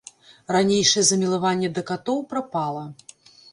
Ранейшае замілаванне да катоў прапала.